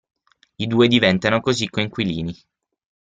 I due diventano così coinquilini.